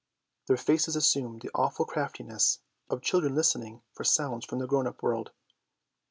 Their faces assumed the awful craftiness of children listening for sounds from the grown up world.